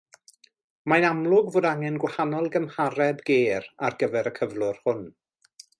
Mae'n amlwg fod angen gwahanol gymhareb gêr ar gyfer y cyflwr hwn.